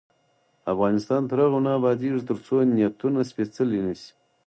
افغانستان تر هغو نه ابادیږي، ترڅو نیتونه سپیڅلي نشي.